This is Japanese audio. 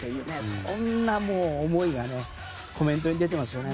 そんな思いがコメントに出てますよね。